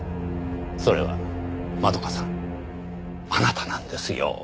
それは円香さんあなたなんですよ。